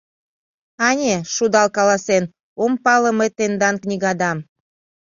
Анэ шудал каласен: «Ом пале мый тендан книгадам!».